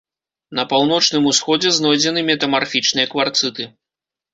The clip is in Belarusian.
На паўночным усходзе знойдзены метамарфічныя кварцыты.